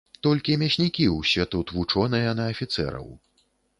Толькі мяснікі ўсе тут вучоныя на афіцэраў.